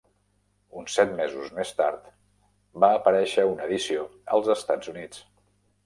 Uns set mesos més tard va aparèixer una edició als Estats Units.